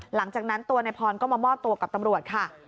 หลังจากนั้นตัวนายพรก็มามอบตัวกับตำรวจค่ะ